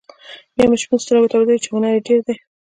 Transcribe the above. بیا مې شپون سترګو ته ودرېد چې هنر یې ډېر دی.